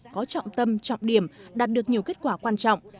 có trọng tâm trọng điểm đạt được nhiều kết quả quan trọng